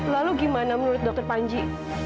lalu gimana menurut dokter panji